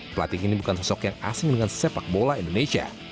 pelatih ini bukan sosok yang asing dengan sepak bola indonesia